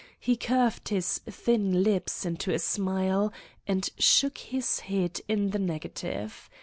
He curved his thin lips into a smile and shook his head in the negative.